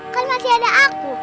kan masih ada aku